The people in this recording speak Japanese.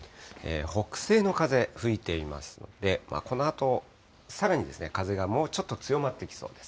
北西の風、吹いていますので、このあと、さらに風がもうちょっと強まってきそうです。